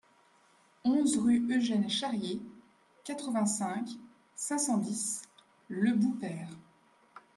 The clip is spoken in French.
onze rue Eugène Charrier, quatre-vingt-cinq, cinq cent dix, Le Boupère